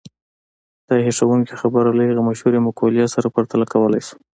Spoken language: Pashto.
دا هيښوونکې خبره له هغې مشهورې مقولې سره پرتله کولای شو.